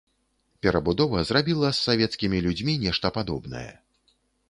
Перабудова зрабіла з савецкімі людзьмі нешта падобнае.